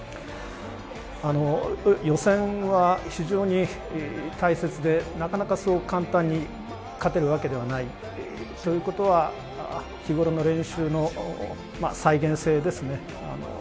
予選は非常に大切で、なかなか簡単に勝てるわけではないということは日頃の練習の再現性ですね。